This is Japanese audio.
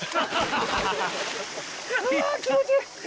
あ気持ちいい！